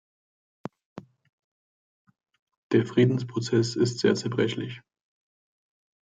Der Friedensprozess ist sehr zerbrechlich.